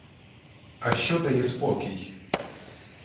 А що дає спокій?